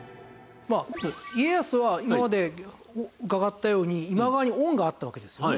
家康は今まで伺ったように今川に恩があったわけですよね。